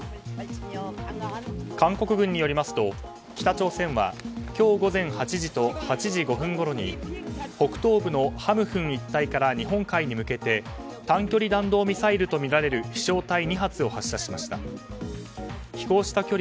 韓国軍によりますと、北朝鮮は今日午前８時と８時５分ごろに北東部のハムフン一帯から日本海に向けて短距離弾道ミサイルとみられる飛翔体２発を発射しました。